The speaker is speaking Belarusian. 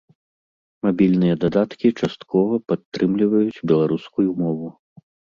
Мабільныя дадаткі часткова падтрымліваюць беларускую мову.